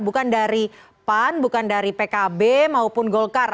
bukan dari pan bukan dari pkb maupun golkar